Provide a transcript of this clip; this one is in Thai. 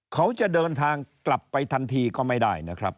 เขาจะเดินทางกลับไปทันทีก็ไม่ได้นะครับ